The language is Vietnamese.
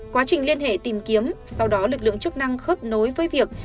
quá trình liên hệ tìm kiếm sau đó lực lượng chức năng khớp nối với việc